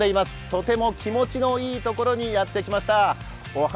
とても気持ちのいいところにやってきました。